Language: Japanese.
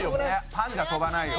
「パンじゃ飛ばないよ」